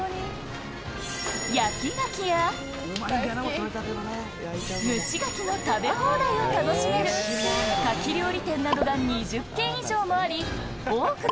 焼きガキや、蒸しガキの食べ放題を楽しめる、カキ料理店などが２０軒以上もあ